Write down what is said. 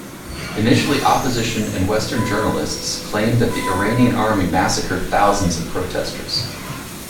Initially opposition and western journalists claimed that the Iranian army massacred thousands of protesters.